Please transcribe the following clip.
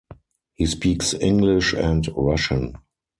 He speaks English and Russian.